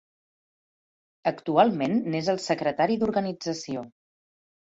Actualment n'és el secretari d'organització.